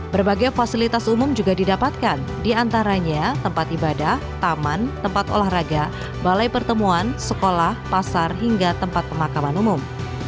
berbagai fasilitas umum juga didapatkan diantaranya tempat ibadah taman tempat olahraga balai pertemuan sekolah pasar hingga tempat pemakaman umum